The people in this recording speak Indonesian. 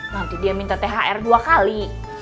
nanti dia minta thr dua kali